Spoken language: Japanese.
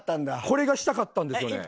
これがしたかったんですよね。